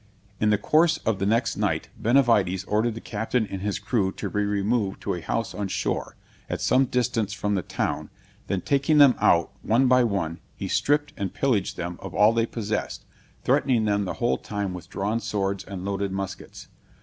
In the course of the next night, Benavides ordered the captain and his crew to be removed to a house on shore, at some distance from the town; then taking them out, one by one, he stripped and pillaged them of all they possessed, threatening them the whole time with drawn swords and loaded muskets.